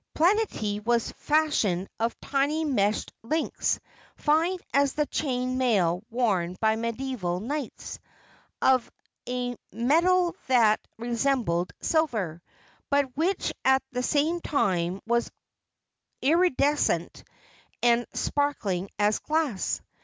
Planetty was fashioned of tiny meshed links, fine as the chain mail worn by medieval knights, of a metal that resembled silver, but which at the same time was iridescent and sparkling as glass.